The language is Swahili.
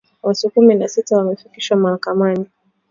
Watu kumi na sita wamefikishwa mahakamani